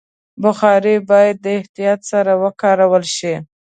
بخاري باید د احتیاط سره وکارول شي.